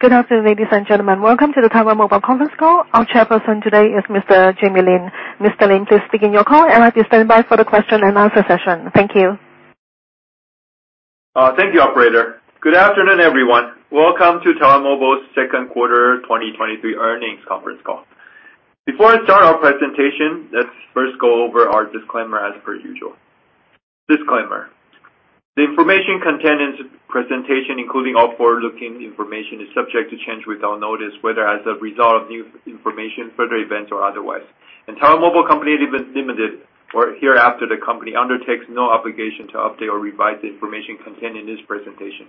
Good afternoon, ladies and gentlemen. Welcome to the Taiwan Mobile conference call. Our chairperson today is Mr. Jamie Lin. Mr. Lin, please begin your call and have you stand by for the question and answer session. Thank you. Thank you, operator. Good afternoon, everyone. Welcome to Taiwan Mobile's Q2 2023 earnings conference call. Before I start our presentation, let's first go over our disclaimer as per usual. Disclaimer: The information contained in this presentation, including all forward-looking information, is subject to change without notice, whether as a result of new information, further events, or otherwise. Taiwan Mobile Company Limited, or hereafter the Company, undertakes no obligation to update or revise the information contained in this presentation.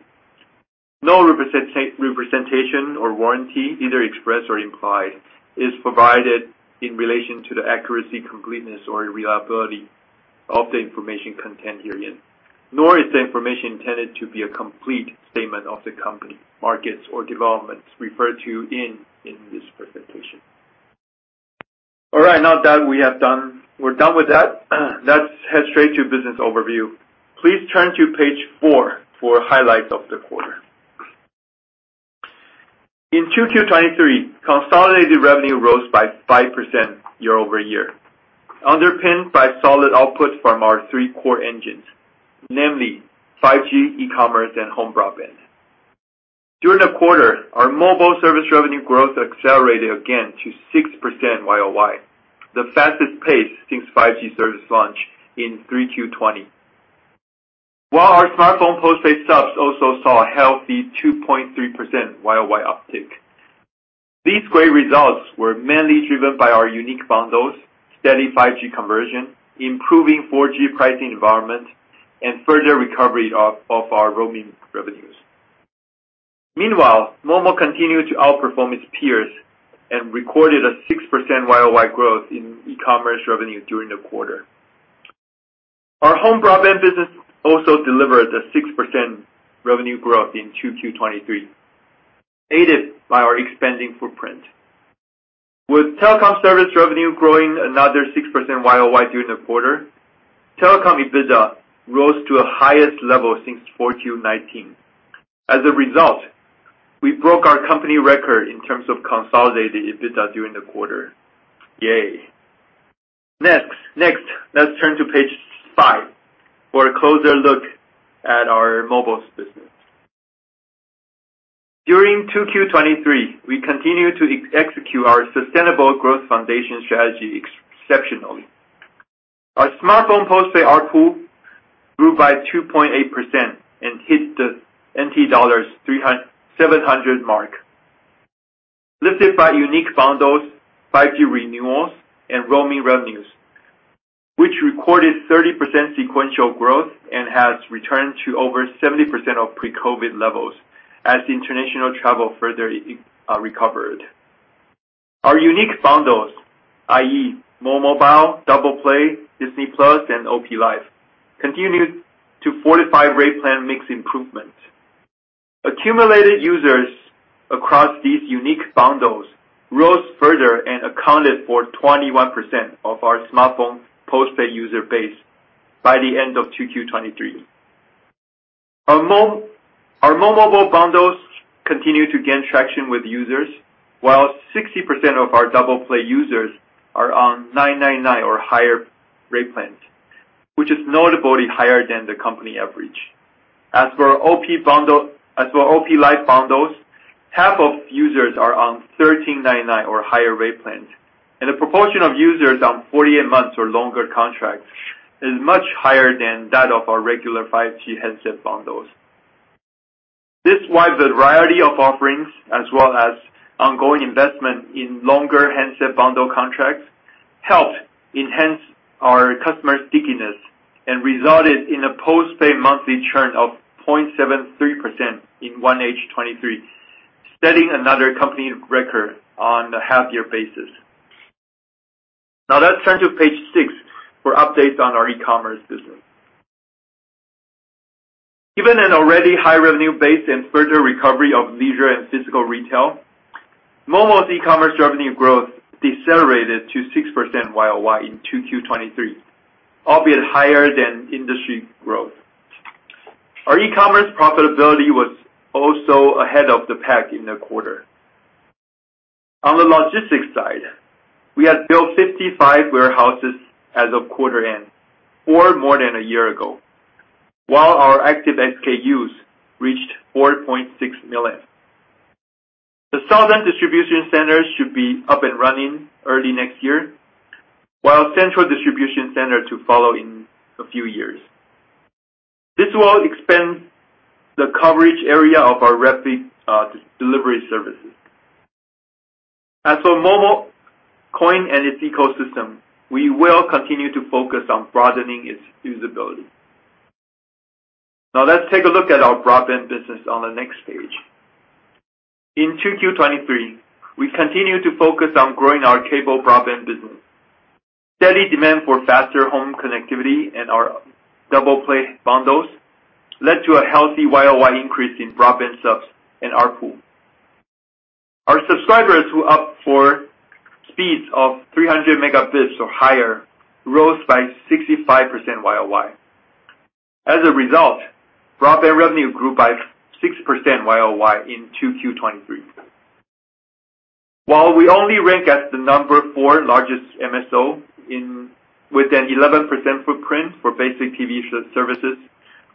No representation or warranty, either express or implied, is provided in relation to the accuracy, completeness, or reliability of the information contained herein, nor is the information intended to be a complete statement of the company, markets, or developments referred to in this presentation. All right, now that we're done with that, let's head straight to business overview. Please turn to page 4 for highlights of the quarter. In 2Q 2023, consolidated revenue rose by 5% year-over-year, underpinned by solid output from our three core engines, namely 5G, e-commerce, and home broadband. During the quarter, our mobile service revenue growth accelerated again to 6% YOY, the fastest pace since 5G service launch in 3Q 2020. While our smartphone postpaid subs also saw a healthy 2.3% YOY uptick. These great results were mainly driven by our unique bundles, steady 5G conversion, improving 4G pricing environment, and further recovery of our roaming revenues. Meanwhile, momo continued to outperform its peers and recorded a 6% YOY growth in e-commerce revenue during the quarter. Our home broadband business also delivered a 6% revenue growth in 2Q 2023, aided by our expanding footprint. With telecom service revenue growing another 6% YOY during the quarter, telecom EBITDA rose to the highest level since 4Q 2019. As a result, we broke our company record in terms of consolidated EBITDA during the quarter. Yay! Next, next, let's turn to page 5 for a closer look at our mobile business. During 2Q 2023, we continued to execute our sustainable growth foundation strategy exceptionally. Our smartphone postpaid ARPU grew by 2.8% and hit the NT$700 mark, lifted by unique bundles, 5G renewals, and roaming revenues, which recorded 30% sequential growth and has returned to over 70% of pre-COVID levels as international travel further recovered. Our unique bundles, i.e., momobile, Double Play, Disney+, and OP Life, continued to fortify rate plan mix improvement. Accumulated users across these unique bundles rose further and accounted for 21% of our smartphone postpaid user base by the end of 2Q 2023. Our momobile bundles continue to gain traction with users, while 60% of our Double Play users are on 999 or higher rate plans, which is notably higher than the company average. As for OP Life bundles, half of users are on 1,399 or higher rate plans, and the proportion of users on 48 months or longer contracts is much higher than that of our regular 5G handset bundles. This wide variety of offerings, as well as ongoing investment in longer handset bundle contracts, helped enhance our customer stickiness and resulted in a postpaid monthly churn of 0.73% in 1H 2023, setting another company record on the half year basis. Now, let's turn to page 6 for updates on our e-commerce business. Given an already high revenue base and further recovery of leisure and physical retail, momo's e-commerce revenue growth decelerated to 6% YOY in 2Q 2023, albeit higher than industry growth. Our e-commerce profitability was also ahead of the pack in the quarter. On the logistics side, we have built 55 warehouses as of quarter end, or more than a year ago, while our active SKUs reached 4.6 million. The southern distribution centers should be up and running early next year, while central distribution center to follow in a few years. This will expand the coverage area of our rapid delivery services. As for momo coin and its ecosystem, we will continue to focus on broadening its usability. Let's take a look at our broadband business on the next page. In 2Q 2023, we continued to focus on growing our cable broadband business. Steady demand for faster home connectivity and our Double Play bundles led to a healthy YOY increase in broadband subs in ARPU. Our subscribers who opt for speeds of 300 megabits or higher rose by 65% YOY. As a result, broadband revenue grew by 6% YOY in 2Q 2023. While we only rank as the number four largest MSO in, with an 11% footprint for basic TV services,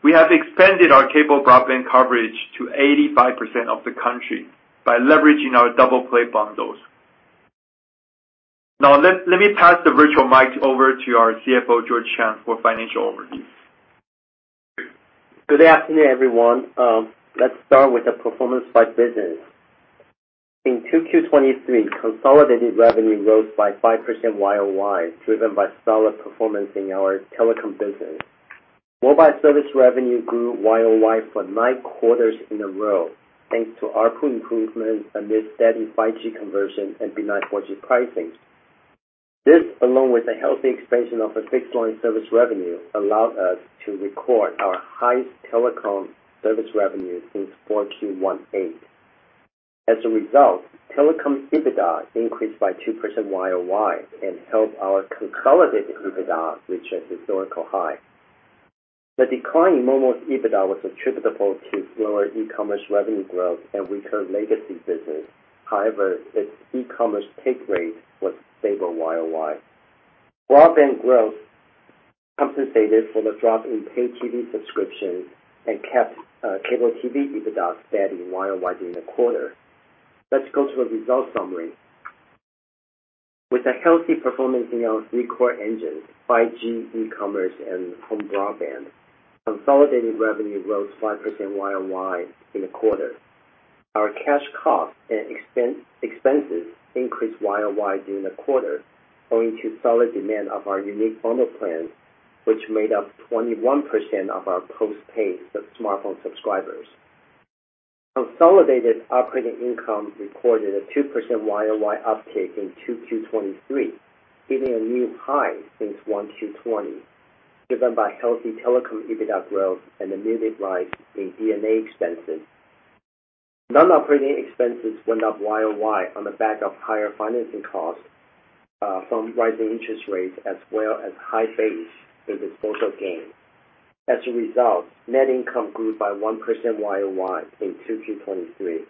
we have expanded our cable broadband coverage to 85% of the country by leveraging our Double Play bundles. Let me pass the virtual mic over to our CFO, George Chang, for financial overview. Good afternoon, everyone. Let's start with the performance by business. In 2Q 2023, consolidated revenue rose by 5% YOY, driven by solid performance in our telecom business. Mobile service revenue grew YOY for 9 quarters in a row, thanks to ARPU improvement amid steady 5G conversion and benign 4G pricing. This, along with a healthy expansion of a fixed line service revenue, allowed us to record our highest telecom service revenue since 4Q 2018. As a result, telecom EBITDA increased by 2% YOY and helped our consolidated EBITDA reach a historical high. The decline in momo's EBITDA was attributable to slower e-commerce revenue growth and weaker legacy business. However, its e-commerce take rate was stable YOY. Broadband growth compensated for the drop in paid TV subscription and kept cable TV EBITDA steady YOY during the quarter. Let's go to a result summary. With a healthy performance in our 3 core engines, 5G, e-commerce, and home broadband, consolidated revenue rose 5% YOY in the quarter. Our cash costs and expenses increased YOY during the quarter, owing to solid demand of our unique bundle plans, which made up 21% of our postpaid smartphone subscribers. Consolidated operating income recorded a 2% YOY uptake in 2Q 2023, hitting a new high since 1Q 2020, driven by healthy telecom EBITDA growth and a muted rise in D&A expenses. Non-operating expenses went up YOY on the back of higher financing costs from rising interest rates as well as high base for disposal gain. As a result, net income grew by 1% YOY in 2Q 2023.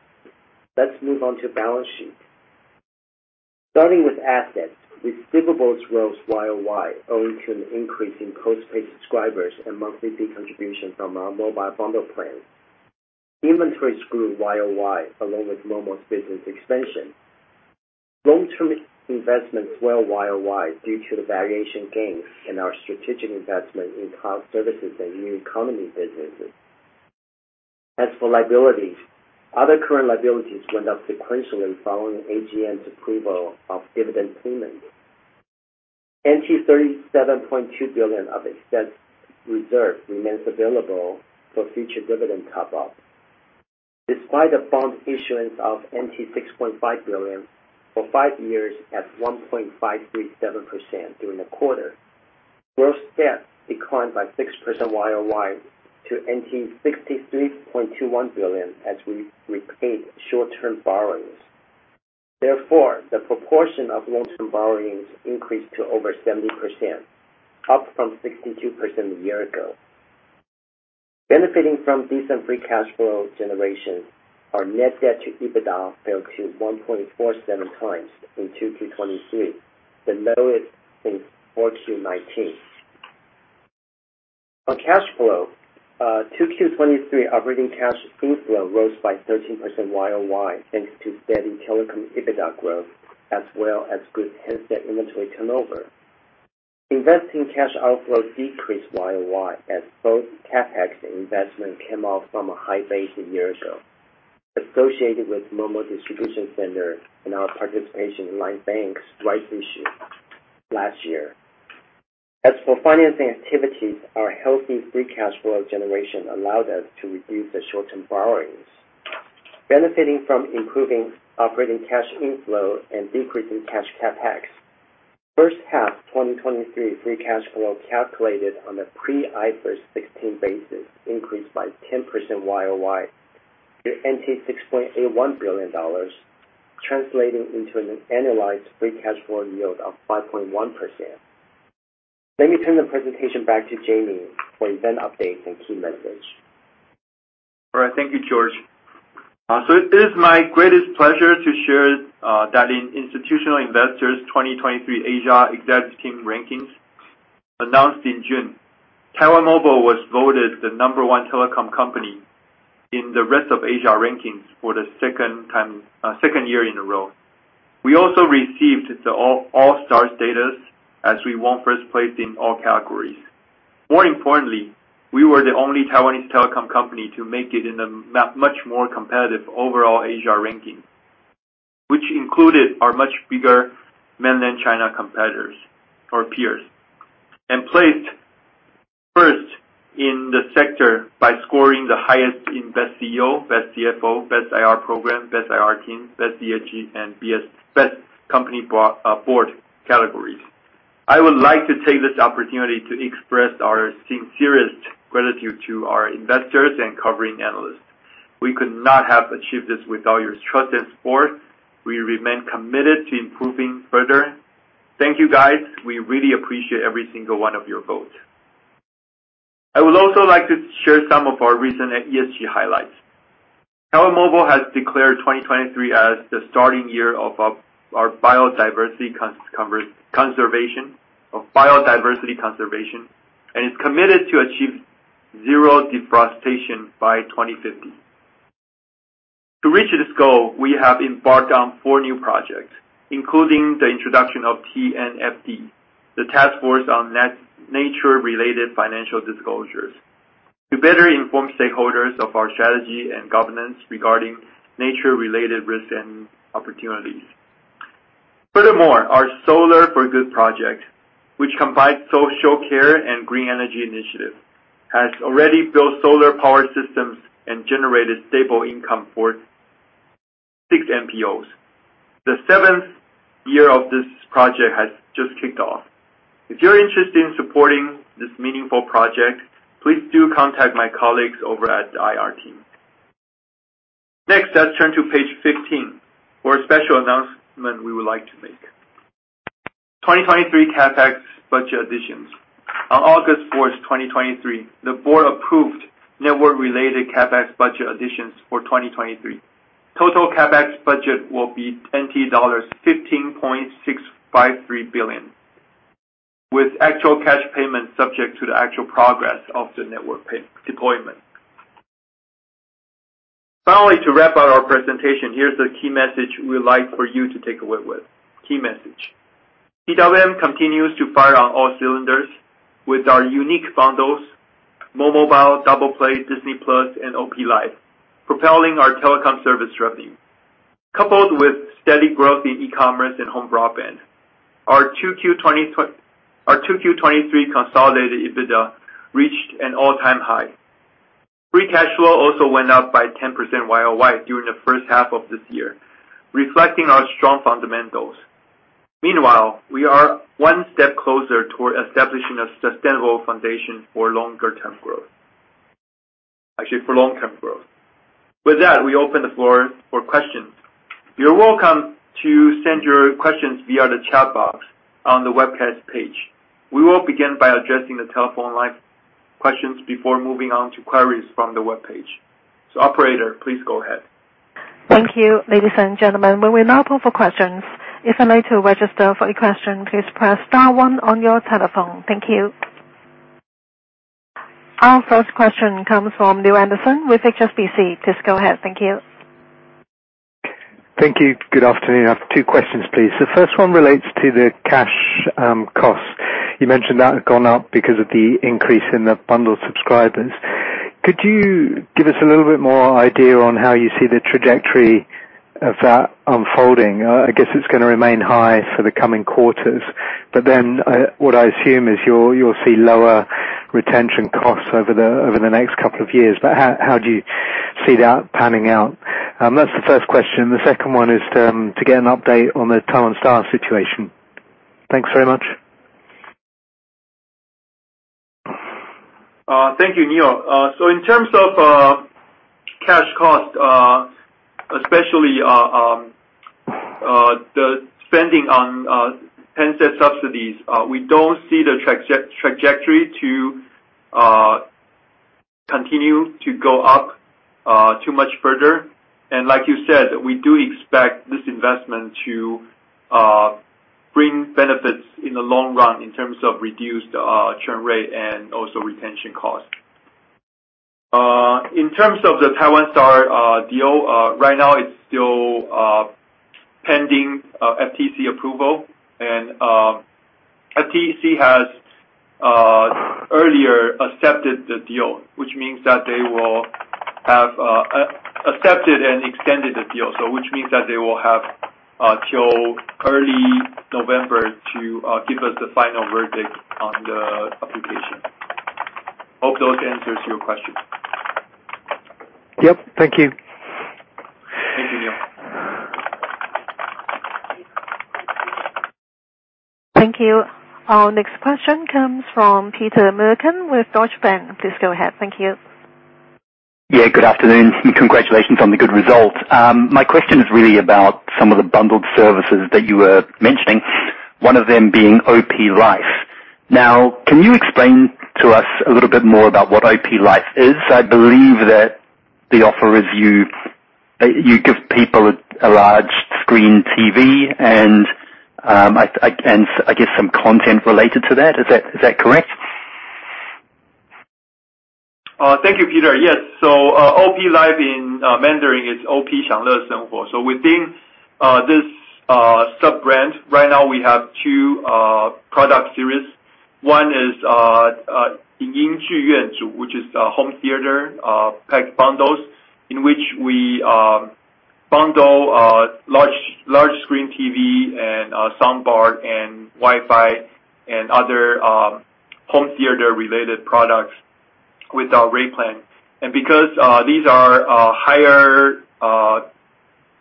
Let's move on to balance sheet. Starting with assets, receivables rose YOY owing to an increase in post-paid subscribers and monthly fee contribution from our mobile bundle plan. Inventories grew YOY along with momo's business expansion. Long-term investments were YOY due to the valuation gains in our strategic investment in cloud services and new economy businesses. As for liabilities, other current liabilities went up sequentially following AGM's approval of dividend payment. NT 37.2 billion of excess reserve remains available for future dividend top-up. Despite the bond issuance of NT 6.5 billion for 5 years at 1.537% during the quarter, gross debt declined by 6% YOY to NT 63.21 billion, as we repaid short-term borrowings. The proportion of long-term borrowings increased to over 70%, up from 62% a year ago. Benefiting from decent free cash flow generation, our net debt to EBITDA fell to 1.47x in 2Q 2023, the lowest since 4Q 2019. On cash flow, 2Q 2023 operating cash inflow rose by 13% YOY, thanks to steady telecom EBITDA growth, as well as good handset inventory turnover. Investing cash outflow decreased YOY as both CapEx and investment came off from a high base a year ago, associated with momo distribution center and our participation in LINE Bank's rights issue last year. As for financing activities, our healthy free cash flow generation allowed us to reduce the short-term borrowings. Benefiting from improving operating cash inflow and decreasing cash CapEx, first half 2023 free cash flow calculated on a pre-IFRS 16 basis increased by 10% YOY to NT 6.81 billion, translating into an annualized free cash flow yield of 5.1%. Let me turn the presentation back to Jamie for event updates and key message. All right. Thank you, George. So it is my greatest pleasure to share that in Institutional Investor's 2023 Asia Executive Team rankings announced in June, Taiwan Mobile was voted the number 1 telecom company in the rest of Asia rankings for the second time, second year in a row. We also received the All-Star status as we won first place in all categories. More importantly, we were the only Taiwanese telecom company to make it in the much more competitive overall Asia ranking, which included our much bigger mainland China competitors or peers. Placed first in the sector by scoring the highest in Best CEO, Best CFO, Best IR Program, Best IR Team, Best ESG, and Best Company Board categories. I would like to take this opportunity to express our sincerest gratitude to our investors and covering analysts. We could not have achieved this without your trust and support. We remain committed to improving further. Thank you, guys. We really appreciate every single one of your votes. I would also like to share some of our recent ESG highlights. Taiwan Mobile has declared 2023 as the starting year of our biodiversity conservation, of biodiversity conservation, and is committed to achieve zero deforestation by 2050. To reach this goal, we have embarked on four new projects, including the introduction of TNFD, the Taskforce on Nature-related Financial Disclosures, to better inform stakeholders of our strategy and governance regarding nature-related risk and opportunities. Furthermore, our Solar for Good project, which combines social care and green energy initiative, has already built solar power systems and generated stable income for six MPOs. The seventh year of this project has just kicked off. If you're interested in supporting this meaningful project, please do contact my colleagues over at the IR team. Next, let's turn to page 15 for a special announcement we would like to make. 2023 CapEx budget additions. On August 4, 2023, the board approved network-related CapEx budget additions for 2023. Total CapEx budget will be NTD 15.653 billion, with actual cash payments subject to the actual progress of the network pay deployment. Finally, to wrap up our presentation, here's the key message we'd like for you to take away with. Key message: TWM continues to fire on all cylinders with our unique bundles, momobile, Double Play, Disney+, and OP Life, propelling our telecom service revenue. Coupled with steady growth in e-commerce and home broadband, our 2Q 2023 consolidated EBITDA reached an all-time high. Free cash flow also went up by 10% YOY during the first half of this year, reflecting our strong fundamentals. Meanwhile, we are one step closer toward establishing a sustainable foundation for longer-term growth. Actually, for long-term growth. With that, we open the floor for questions. You're welcome to send your questions via the chat box on the webcast page. We will begin by addressing the telephone line questions before moving on to queries from the webpage. Operator, please go ahead. Thank you, ladies and gentlemen. We will now open for questions. If I need to register for a question, please press star one on your telephone. Thank you. Our first question comes from Neale Anderson with HSBC. Please go ahead. Thank you. Thank you. Good afternoon. I have two questions, please. The first one relates to the cash costs. You mentioned that had gone up because of the increase in the bundled subscribers. Could you give us a little bit more idea on how you see the trajectory of that unfolding? I guess it's gonna remain high for the coming quarters, but then what I assume is you'll, you'll see lower retention costs over the, over the next couple of years. How, how do you see that panning out? That's the first question. The second one is to get an update on the Taiwan Star situation. Thanks very much. Thank you, Neale. In terms of cash cost, especially the spending on handset subsidies, we don't see the trajectory to continue to go up too much further. Like you said, we do expect this investment to bring benefits in the long run in terms of reduced churn rate and also retention costs. In terms of the Taiwan Star deal, right now, it's still pending FTC approval. FTC has earlier accepted the deal, which means that they will have accepted and extended the deal, so which means that they will have till early November to give us the final verdict on the application. Hope those answers your question. Yep. Thank you. Thank you, Neale. Thank you. Our next question comes from Peter Milliken with Deutsche Bank. Please go ahead. Thank you. Yeah, good afternoon. Congratulations on the good results. My question is really about some of the bundled services that you were mentioning, one of them being OP Life. Can you explain to us a little bit more about what OP Life is? I believe that the offer is you, you give people a, a large screen TV and, I guess some content related to that. Is that, is that correct? Thank you, Peter. Yes. OP Life in Mandarin is OP【goodwill and happiness】. Within this sub-brand, right now we have two product series. One is【image theater set】, which is a home theater packed bundles, in which we bundle large, large screen TV and soundbar and Wi-Fi and other home theater-related products with our rate plan. Because these are higher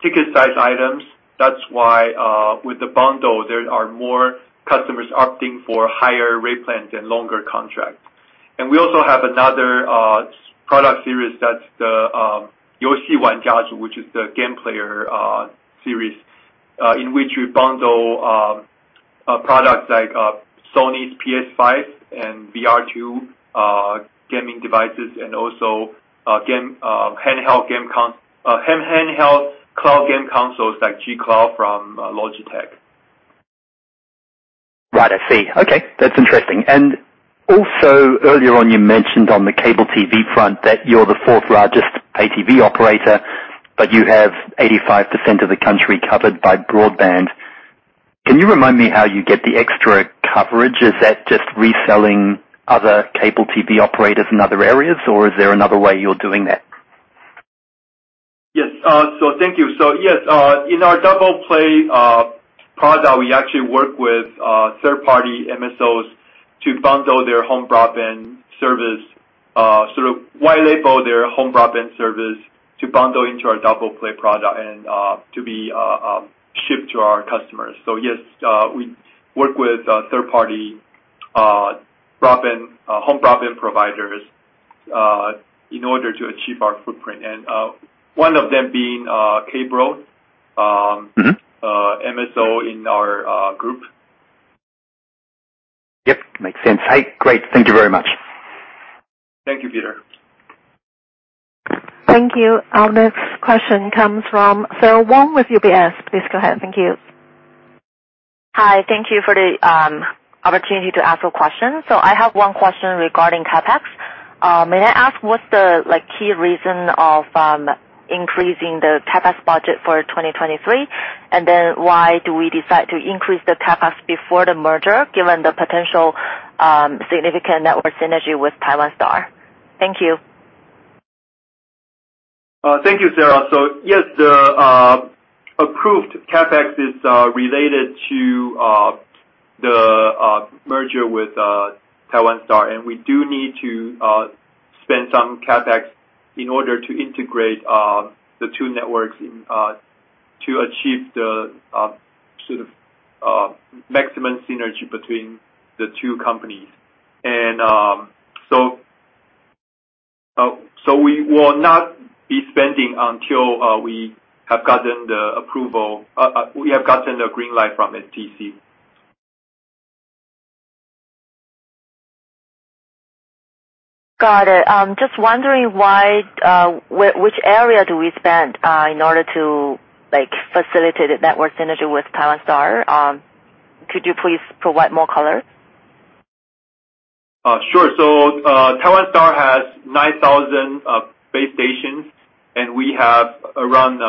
ticket size items, that's why with the bundle, there are more customers opting for higher rate plans and longer contracts. We also have another product series that's the You Xi Wan Jia Ju, which is the game player series, in which we bundle products like Sony's PS5 and VR2 gaming devices, and also game handheld cloud game consoles like G Cloud from Logitech. Right. I see. Okay, that's interesting. Also, earlier on, you mentioned on the cable TV front that you're the 4th largest ATV operator, but you have 85% of the country covered by broadband. Can you remind me how you get the extra coverage? Is that just reselling other cable TV operators in other areas, or is there another way you're doing that? Yes. Thank you. Yes, in our Double Play product, we actually work with third-party MSOs to bundle their home broadband service, sort of white label their home broadband service to bundle into our Double Play product and to be shipped to our customers. Yes, we work with third-party broadband home broadband providers in order to achieve our footprint. One of them being Kbro- Mm-hmm. MSO in our group. Yep, makes sense. Hey, great. Thank you very much. Thank you, Peter. Thank you. Our next question comes from Sarah Wong with UBS. Please go ahead. Thank you. Hi. Thank you for the opportunity to ask a question. I have 1 question regarding CapEx. May I ask what's the, like, key reason of increasing the CapEx budget for 2023? Why do we decide to increase the CapEx before the merger, given the potential, significant network synergy with Taiwan Star? Thank you. Thank you, Sarah. Yes, the approved CapEx is related to the merger with Taiwan Star, and we do need to spend some CapEx in order to integrate the two networks in to achieve the sort of maximum synergy between the two companies. We will not be spending until we have gotten the approval, we have gotten the green light from FTC. Got it. Just wondering why which area do we spend in order to, like, facilitate the network synergy with Taiwan Star? Could you please provide more color? Sure. Taiwan Star has 9,000 base stations, and we have around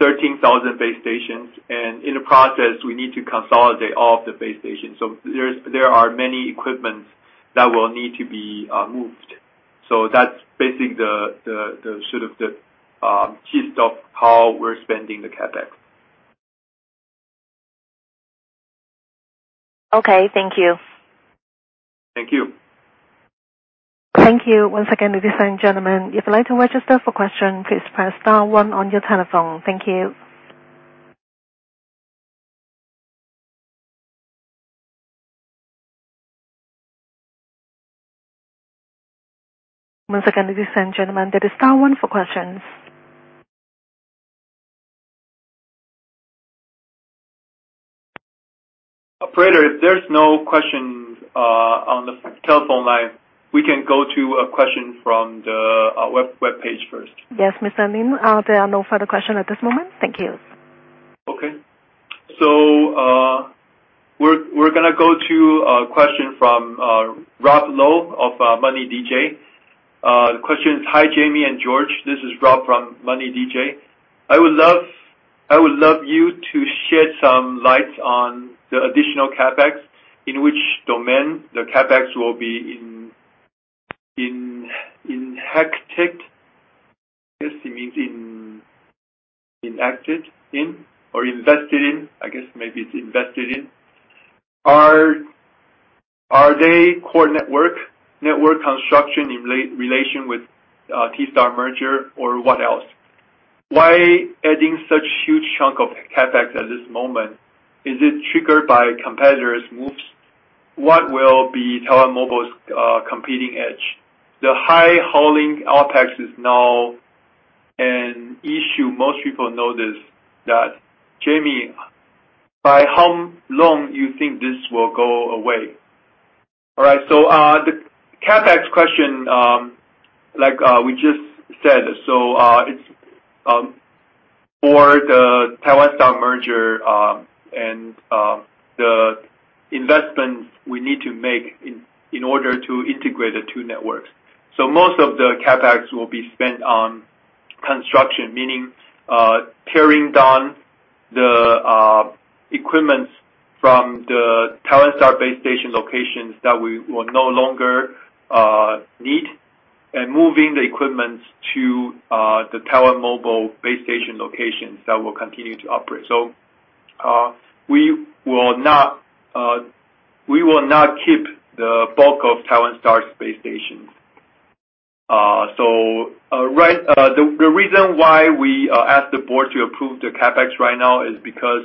13,000 base stations. In the process, we need to consolidate all of the base stations. There's, there are many equipments that will need to be moved. That's basically the, the, the sort of the gist of how we're spending the CapEx. Okay, thank you. Thank you. Thank you once again, ladies and gentlemen. If you'd like to register for question, please press star one on your telephone. Thank you. Once again, ladies and gentlemen, that is star one for questions. Operator, if there's no questions, on the telephone line, we can go to a question from the, web, webpage first. Yes, Mr. Lin, there are no further questions at this moment. Thank you. Okay. we're gonna go to a question from Rob Lou of MoneyDJ. The question is, "Hi, Jamie and George. This is Rob from MoneyDJ. I would love, I would love you to shed some light on the additional CapEx, in which domain the CapEx will be in hectic," I guess he means in, enacted in or invested in. I guess maybe it's invested in. "Are they core network, network construction in relation with T Star merger or what else? Why adding such huge chunk of CapEx at this moment? Is it triggered by competitors' moves? What will be Taiwan Mobile's competing edge? The high hauling OpEx is now an issue. Most people notice that. Jamie, by how long you think this will go away?" All right, the CapEx question. Like we just said, it's for the Taiwan Star merger and the investments we need to make in order to integrate the two networks. Most of the CapEx will be spent on construction, meaning tearing down the equipment from the Taiwan Star base station locations that we will no longer need, and moving the equipment to the Taiwan Mobile base station locations that will continue to operate. We will not, we will not keep the bulk of Taiwan Star's base stations.... The reason why we asked the board to approve the CapEx right now is because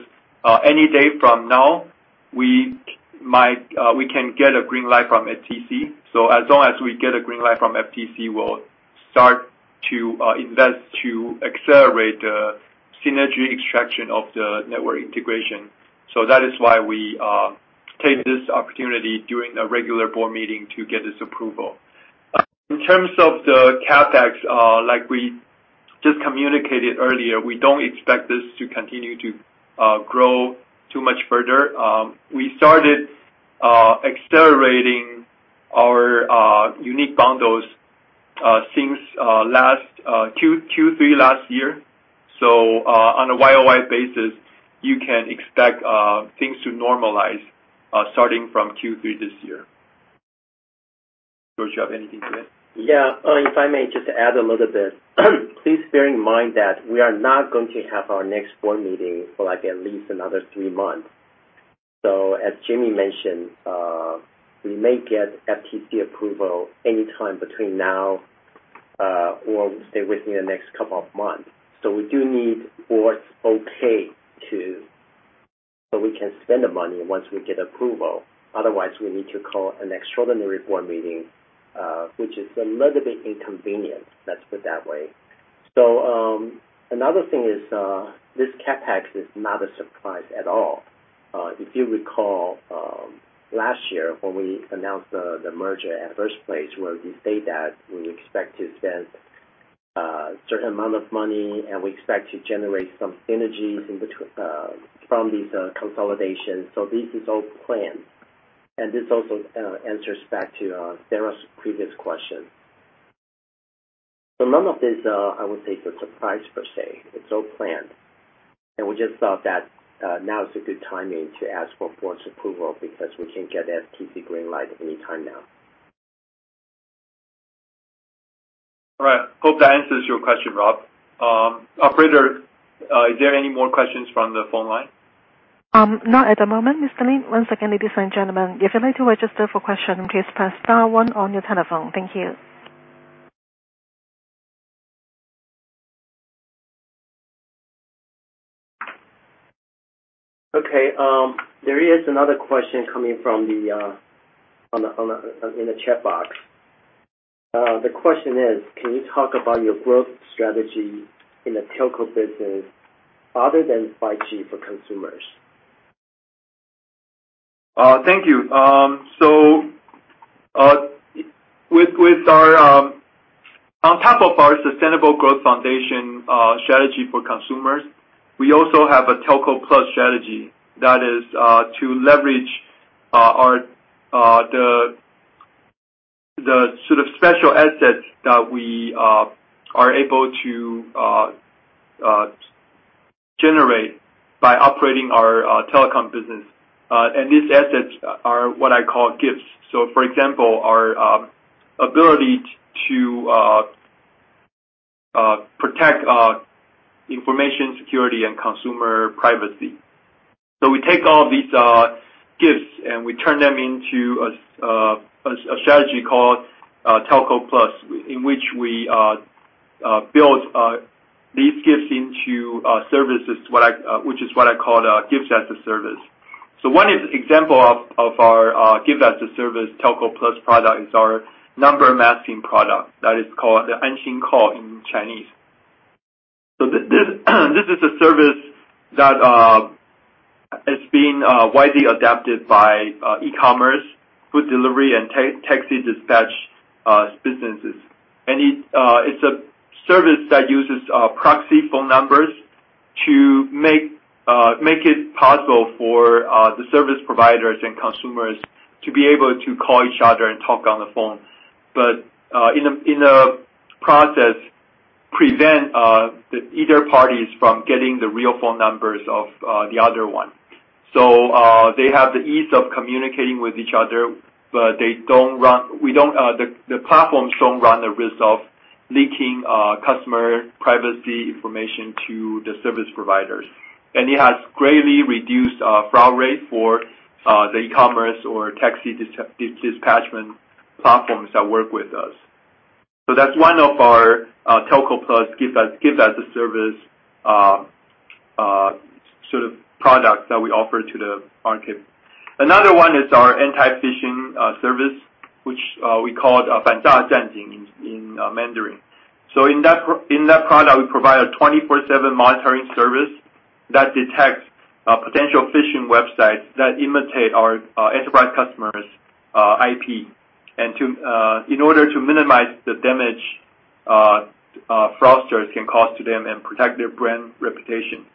any day from now, we might, we can get a green light from FTC. As long as we get a green light from FTC, we'll start to invest to accelerate the synergy extraction of the network integration. That is why we take this opportunity during a regular board meeting to get this approval. In terms of the CapEx, like we just communicated earlier, we don't expect this to continue to grow too much further. We started accelerating our unique bundles since last Q3 last year. On a YOY basis, you can expect things to normalize starting from Q3 this year. George, you have anything to add? Yeah. If I may just add a little bit. Please bear in mind that we are not going to have our next board meeting for, like, at least another 3 months. As Jimmy mentioned, we may get FTC approval anytime between now, or say within the next couple of months. We do need board's okay to... We can spend the money once we get approval. Otherwise, we need to call an extraordinary board meeting, which is a little bit inconvenient. Let's put it that way. Another thing is, this CapEx is not a surprise at all. If you recall, last year when we announced the, the merger at first place, where we said that we expect to spend certain amount of money, and we expect to generate some synergies in between, from these consolidations. This is all planned, and this also answers back to Sarah's previous question. None of this, I would say, is a surprise per se. It's all planned, and we just thought that now is a good timing to ask for board's approval because we can get FTC green light at any time now. All right. Hope that answers your question, Rob. operator, is there any more questions from the phone line? Not at the moment, Mr. Lin. Once again, ladies and gentlemen, if you'd like to register for question, please press star one on your telephone. Thank you. Okay, there is another question coming from the in the chat box. The question is: Can you talk about your growth strategy in the telco business other than 5G for consumers? Thank you. With, with our, on top of our sustainable growth foundation, strategy for consumers, we also have a Telco Plus strategy that is to leverage our the sort of special assets that we are able to generate by operating our telecom business. These assets are what I call gifts. For example, our ability to protect information security and consumer privacy. We take all these gifts, and we turn them into a a strategy called Telco Plus, in which we build these gifts into services, what I which is what I call gifts as a service. One example of, of our gifts as a service Telco Plus product is our number masking product. That is called the Anxin Call in Chinese. This, this is a service that is being widely adapted by e-commerce, food delivery, and taxi dispatch businesses. It's, it's a service that uses proxy phone numbers to make it possible for the service providers and consumers to be able to call each other and talk on the phone. In a process, prevent the either parties from getting the real phone numbers of the other one. They have the ease of communicating with each other, but they don't run, we don't, the platforms don't run the risk of leaking customer privacy information to the service providers. It has greatly reduced fraud rate for the e-commerce or taxi dispatchment platforms that work with us. That's one of our Telco Plus gifts as a service sort of product that we offer to the market. Another one is our anti-phishing service, which we call Banza Zhengjing in Mandarin. In that product, we provide a 24/7 monitoring service that detects potential phishing websites that imitate our enterprise customers' IP, and in order to minimize the damage fraudsters can cause to them and protect their brand reputation.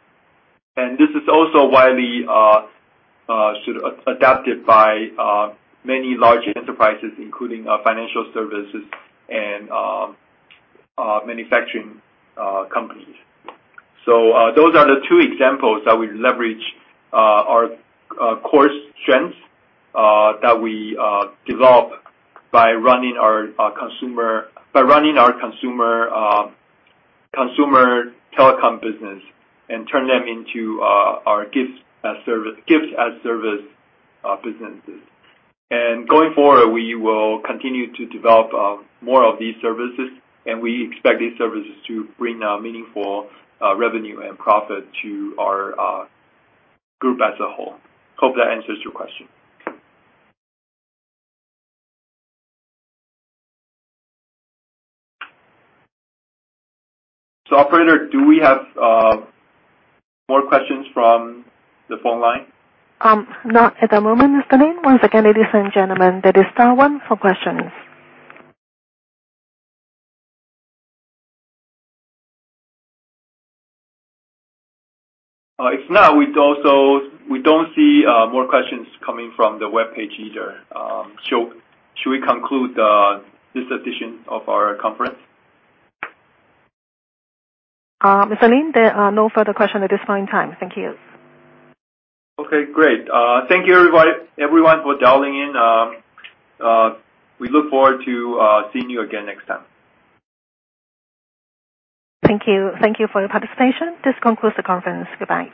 This is also why we are sort of adapted by many large enterprises, including financial services and manufacturing companies. Those are the two examples that we leverage our core strengths that we develop by running our consumer telecom business and turn them into our gifts as service businesses. Going forward, we will continue to develop more of these services, and we expect these services to bring a meaningful revenue and profit to our group as a whole. Hope that answers your question. Operator, do we have more questions from the phone line? Not at the moment, Mr. Lin. Once again, ladies and gentlemen, that is star one for questions. If not, we'd also, we don't see, more questions coming from the webpage either. Should we conclude this edition of our conference? Mr. Lin, there are no further question at this point in time. Thank you. Okay, great. Thank you, everybody, everyone, for dialing in. We look forward to seeing you again next time. Thank you. Thank you for your participation. This concludes the conference. Goodbye.